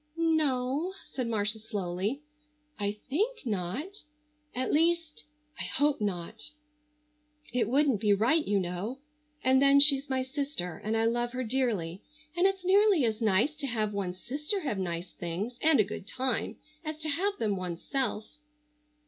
"No," said Marcia slowly; "I think not. At least—I hope not. It wouldn't be right, you know. And then she's my sister and I love her dearly, and it's nearly as nice to have one's sister have nice things and a good time as to have them one's self."